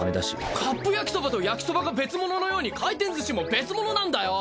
カップ焼きそばと焼きそばが別物のように回転寿司も別物なんだよ。